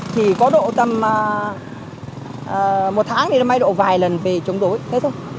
thì có độ tầm một tháng thì may độ vài lần về chống đối hết rồi